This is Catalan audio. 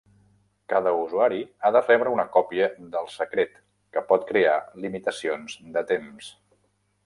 Cada usuari ha de rebre una còpia del secret, que pot crear limitacions de temps.